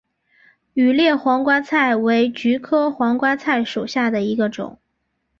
羽裂黄瓜菜为菊科黄瓜菜属下的一个种。